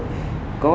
các cái đối tượng